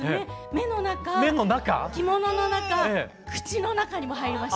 目の中⁉着物の中口の中にも入りました。